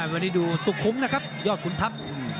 วันนี้ดูสุขุมนะครับยอดขุนทัพ